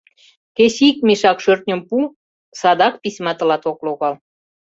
— Кеч ик мешак шӧртньым пу — садак письма тылат ок логал!